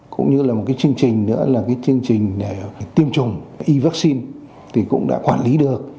chương trình tiêm chủng y vaccine cũng đã quản lý được